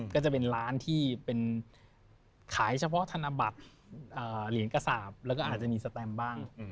ก็จะเป็นร้านที่เป็นขายเฉพาะธนบัตรเหรียญกระสาปแล้วก็อาจจะมีสแตมบ้าง